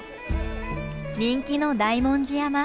人気の大文字山。